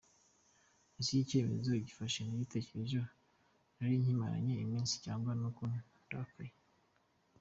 Ese iki cyemezo ngifashe nagitekerejeho? Narinkimaranye iminsi cyangwa nuko ndakaye?.